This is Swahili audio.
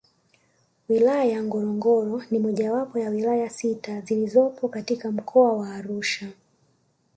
Wilaya Ngorongoro ni mojawapo ya wilaya sita zilizopo katika Mkoa wa Arusha